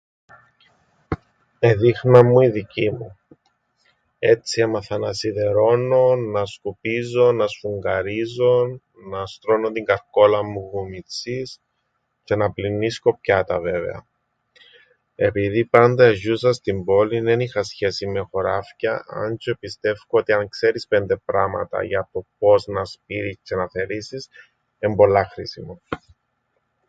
Εδείχναν μου οι δικοί μου. Έτσι έμαθα να σιδερώννω... να σκουπίζω... να σφουγγαρίζω... να στρώννω την καρκόλαν μου που μιτσής, τζ̆αι να πλυννίσκω πιάτα βέβαια. Επειδή πάντα εζ̆ιούσα στην πόλην, εν είχα σχέσην με χωράφκια, αν τζ̆αι πιστεύκω ότι αν ξέρεις πέντε πράματα για το πώς να σπείρεις τζ̆αι να θερίσεις, εν' πολλά χρήσιμον.